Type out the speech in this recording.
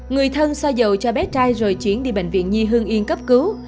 người thân xoa cho bé trai rồi chuyển đi bệnh viện nhi hương yên cấp cứu